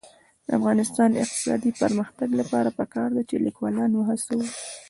د افغانستان د اقتصادي پرمختګ لپاره پکار ده چې لیکوالان وهڅوو.